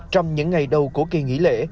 trong những ngày đầu của kỳ nghỉ lễ